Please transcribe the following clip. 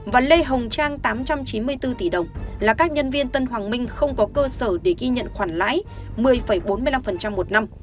và lê hồng trang tám trăm chín mươi bốn tỷ đồng là các nhân viên tân hoàng minh không có cơ sở để ghi nhận khoản lãi một mươi bốn mươi năm một năm